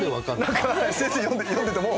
何か先生読んでても。